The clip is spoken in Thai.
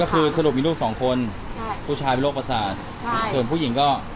ก็คือสรุปมีลูกสองคนผู้ชายเป็นโรคประสาทส่วนผู้หญิงก็